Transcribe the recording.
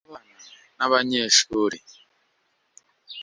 icy’abana n’abanyeshuri